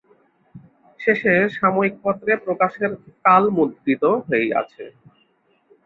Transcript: শেষে সাময়িকপত্রে প্রকাশের কাল মুদ্রিত হইয়াছে।